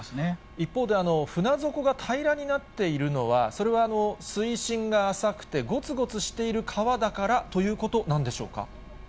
一方で、船底が平らになっているのは、それは水深が浅くてごつごつしている川だからということなんでしょうか。